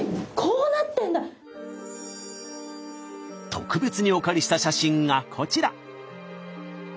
特別にお借りした写真がこちら。